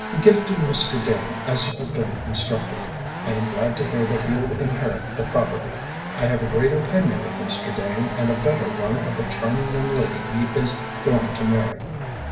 "Give it to Mr. Dane as you have been instructed. I am glad to hear that he will inherit the property. I have a great opinion of Mr. Dane and a better one of the charming young lady he is going to marry."